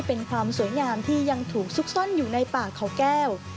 เป็นความสวยงามที่ยังถูกซุกซ่อนอยู่ในป่าเขาแก้ว